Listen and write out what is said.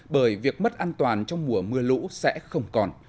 bởi việc mất an toàn trong mùa mưa lũ sẽ không còn